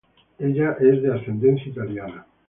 Ella es de ascendencia italiana.